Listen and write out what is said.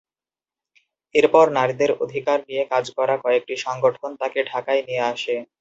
এরপর নারীদের অধিকার নিয়ে কাজ করা কয়েকটি সংগঠন তাকে ঢাকায় নিয়ে আসে।